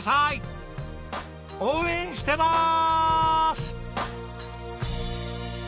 応援してまーす！